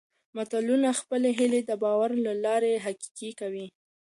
ملتونه خپلې هېلې د باور له لارې تحقق کوي.